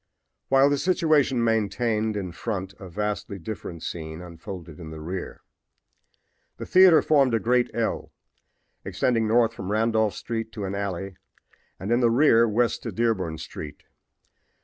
While this situation maintained in front a vastly different scene unfolded in the rear. The theater formed a great L, extending north from Randolph street to an alley and, in the rear, west to Dearborn street.